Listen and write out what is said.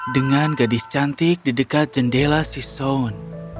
dengan gadis cantik di dekat jendela si son